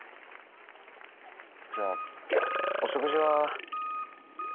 じゃあお食事は。